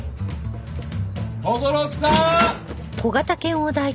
轟木さん！